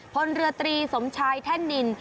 พลเรือตรีสมชายแท่นนิน